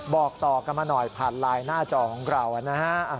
บอกต่อกันมาหน่อยผ่านไลน์หน้าจอของเรานะฮะ